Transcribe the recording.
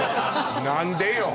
何でよ